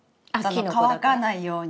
乾かないように。